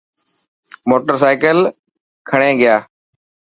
موٽر سائيڪل کڻي گيا.